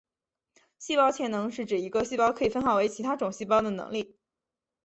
细胞潜能是指一个细胞可以分化为其他种细胞的能力。